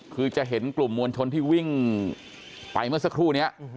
คือจะเห็นกลุ่มมวลชนที่วิ่งไปเมื่อสักครู่นี้